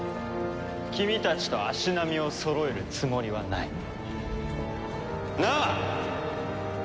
君たちと足並みをそろえるつもりはない。なあ？